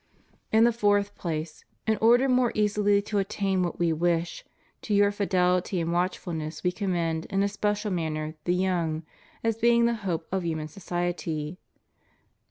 In the fourth place, in order more easily to attain what We wish, to your fidelity and watchfulness We commend in a special manner the young, as being the hope of human society.